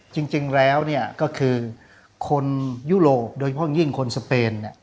จริงแล้วก็คือคนยุโรปโดยยิ่งคนสเปน